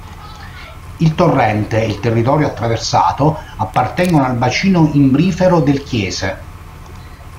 Il torrente e il territorio attraversato appartengono al bacino imbrifero del Chiese.